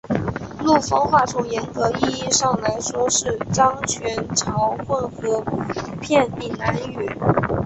陆丰话从严格意义上来说是漳泉潮混合片闽南语。